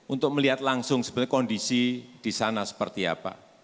untuk melihat langsung sebenarnya kondisi di sana seperti apa